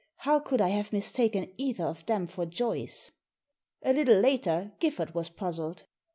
How could I have mistaken either of them for Joyce? A little later Giffard was puzzled.